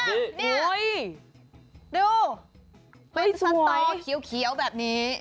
อ้าวนี่ดูเป็นสตอเคี้ยวแบบนี้